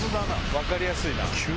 分かりやすいな。